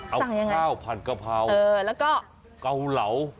เอาข้าวผัดกะเพราแล้วก็เกาเหลา